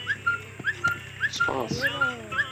سوپاس!